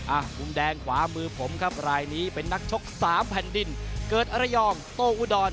มุมแดงขวามือผมครับรายนี้เป็นนักชกสามแผ่นดินเกิดระยองโต้อุดร